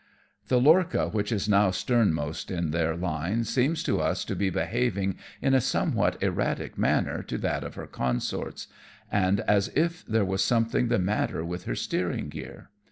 The lorcha which is now sternmost in their line seems to us to be behaving in a somewhat erratic manner to that of her consorts, and as if there was something the matter with her steering gear.